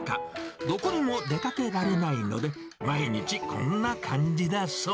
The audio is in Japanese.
どこにも出かけられないので、毎日こんな感じだそう。